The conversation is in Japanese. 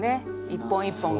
一本一本が。